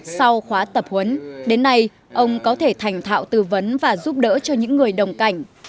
sau khóa tập huấn đến nay ông có thể thành thạo tư vấn và giúp đỡ cho những người đồng cảnh